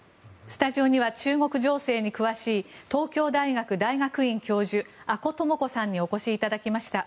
スタジオには中国情勢に詳しい東京大学大学院教授阿古智子さんにお越しいただきました。